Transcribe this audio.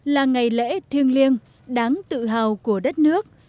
là ngày lễ thiêng liêng đáng tự hào của đất nước